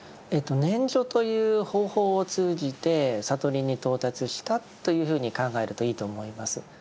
念処という方法を通じて悟りに到達したというふうに考えるといいと思います。